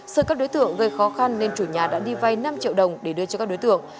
sợi các đối tượng gây khó khăn nên chủ nhà đã đi vay năm triệu đồng để đưa cho các đối tượng